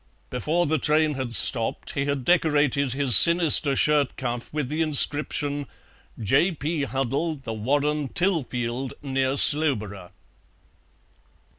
Before the train had stopped he had decorated his sinister shirt cuff with the inscription, "J. P. Huddle, The Warren, Tilfield, near Slowborough."